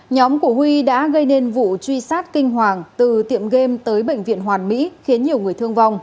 nhóm của huy đã gây nên vụ truy sát kinh hoàng từ tiệm game tới bệnh viện hoàn mỹ khiến nhiều người thương vong